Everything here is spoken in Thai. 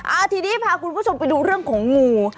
ทีนี้พาคุณผู้ชมไปดูเรื่องของงู